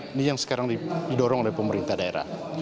ini yang sekarang didorong oleh pemerintah daerah